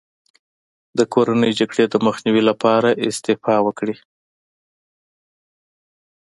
د کورنۍ جګړې د مخنیوي لپاره استعفا وکړي.